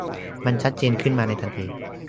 มันชัดเจนขึ้นในทันที